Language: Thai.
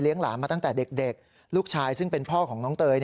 หลานมาตั้งแต่เด็กลูกชายซึ่งเป็นพ่อของน้องเตย